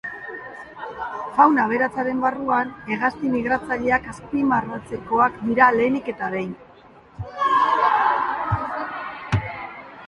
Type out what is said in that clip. Fauna aberatsaren barruan, hegazti migratzaileak azpimarratzekoak dira lehenik eta behin.